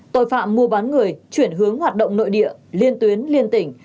tội phạm mua bán người chuyển hướng hoạt động nội địa liên tuyến liên tỉnh